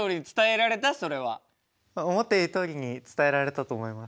思っているとおりに伝えられたと思います。